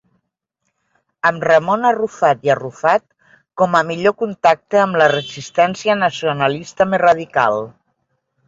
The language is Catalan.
Amb Ramon Arrufat i Arrufat com a millor contacte amb la resistència nacionalista més radical.